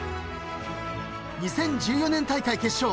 ［２０１４年大会決勝］